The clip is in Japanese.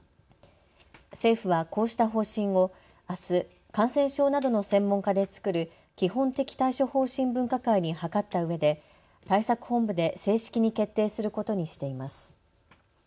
政府はこうした方針をあす、感染症などの専門家で作る基本的対処方針分科会に諮ったうえで対策本部で正式に決定することにしています。